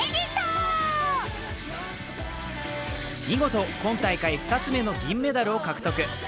見事今大会２つ目の銀メダルを獲得。